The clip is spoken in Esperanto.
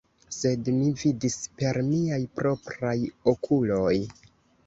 Sed mi vidis per miaj propraj okuloj!